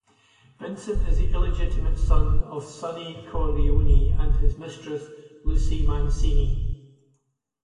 Vincent is the illegitimate son of Sonny Corleone and his mistress Lucy Mancini.